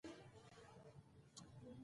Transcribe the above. د لیکوالو لمانځل د ولس د مینې نښه ده.